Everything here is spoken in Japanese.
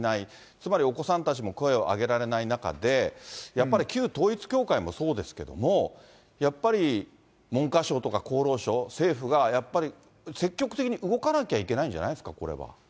つまりお子さんたちも声を上げられない中で、やっぱり旧統一教会もそうですけども、やっぱり文科省とか厚労省、政府がやっぱり、積極的に動かなきゃいけないんじゃないですか、これは。